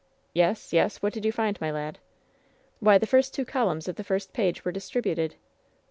"Yes, yes, what did you find, my lad ?" "Why, that the fir«t two columns of the first page were distributed."